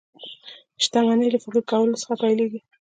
شتمني له فکر کولو څخه پيلېږي